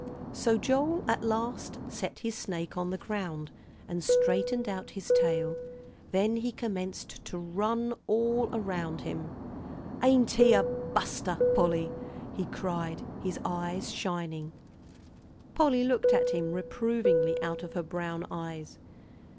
So Joel at last set his snake on the ground, and straightened out his tail; then he commenced to run all around him. "Ain't he a buster, Polly!" he cried, his eyes shining. Polly looked at him reprovingly out of her brown eyes.